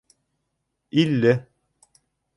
Илле